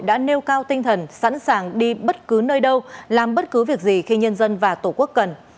đã nêu cao tinh thần sẵn sàng đi bất cứ nơi đâu làm bất cứ việc gì khi nhân dân và tổ quốc cần